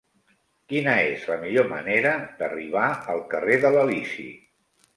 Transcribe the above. Quina és la millor manera d'arribar al carrer de l'Elisi?